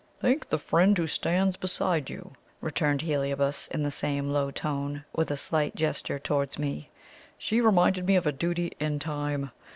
"Thank the friend who stands beside you," returned Heliobas, in the same low tone, with a slight gesture towards me. "She reminded me of a duty in time.